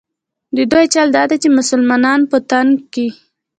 د دوی چل دا دی چې مسلمانان په تنګ کړي.